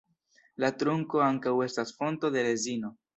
La trunko ankaŭ estas fonto de rezino.